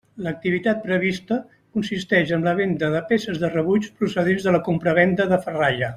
L'activitat prevista consisteix en la venda de peces de rebuig procedents de la compravenda de ferralla.